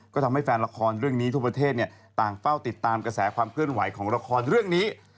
ก็ทำให้แฟนละครเรื่องนี้ทั่วประเทศต่างเฝ้าติดตามกระแสความเคลื่อนไหวของละครเรื่องนี้